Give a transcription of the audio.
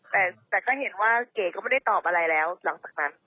แต่ก็เห็นว่าเก๋ก็ไม่ได้ตอบอะไรแล้วหลังจากนั้น